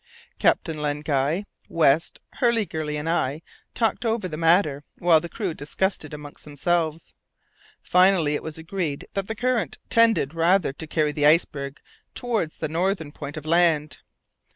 Captain Len Guy, West, Hurliguerly, and I talked over the matter, while the crew discussed it among themselves. Finally, it was agreed that the current tended rather to carry the iceberg towards the northern point of land.